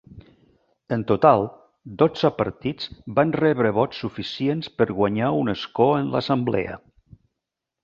En total, dotze partits van rebre vots suficients per guanyar un escó en l'assemblea.